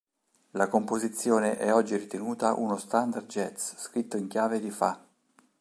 La composizione è oggi ritenuta uno standard jazz, scritto in Chiave di Fa.